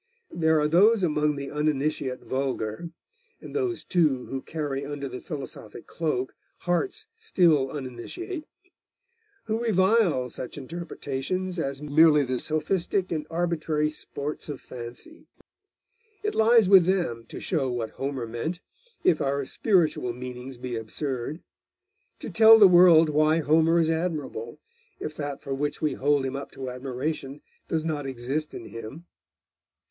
There are those among the uninitiate vulgar and those, too, who carry under the philosophic cloak hearts still uninitiate who revile such interpretations as merely the sophistic and arbitrary sports of fancy. It lies with them to show what Homer meant, if our spiritual meanings be absurd; to tell the world why Homer is admirable, if that for which we hold him up to admiration does not exist in him.